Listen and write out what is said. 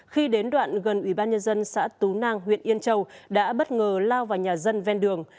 khi đến đoạn gần ủy ban nhân dân xã tú nang huyện yên châu đã bất ngờ lao vào nhà dân ven đường